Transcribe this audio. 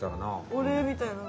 お礼みたいなの。